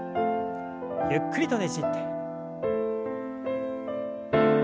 ゆっくりとねじって。